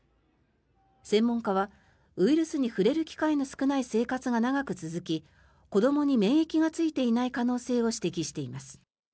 専門家はウイルスに触れる機会の少ない生活が長く続き子どもに免疫がついていない可能性を指摘しています。